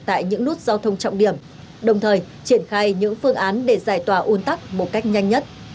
tại những nút giao thông trọng điểm đồng thời triển khai những phương án để giải tỏa un tắc một cách nhanh nhất